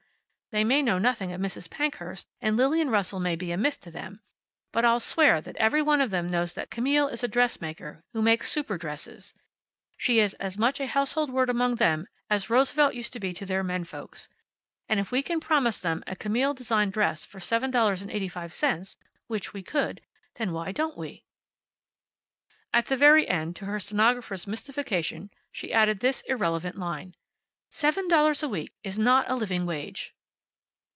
They may know nothing of Mrs. Pankhurst, and Lillian Russell may be a myth to them, but I'll swear that every one of them knows that Camille is a dressmaker who makes super dresses. She is as much a household word among them as Roosevelt used to be to their men folks. And if we can promise them a Camille designed dress for $7.85 (which we could) then why don't we?" At the very end, to her stenographer's mystification, she added this irrelevant line. "Seven dollars a week is not a living wage."